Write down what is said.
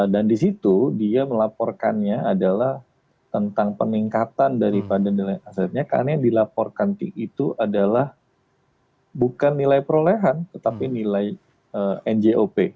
dan di situ dia melaporkannya adalah tentang peningkatan dari pandan dan asetnya karena yang dilaporkan itu adalah bukan nilai perolehan tetapi nilai njop